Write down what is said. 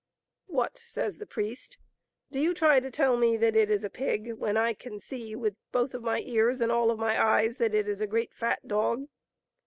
" What !" says the priest. " Do you try to tell me that that is a pig, when I can see with both of my ears and all of my eyes that it is a great, fat dog?"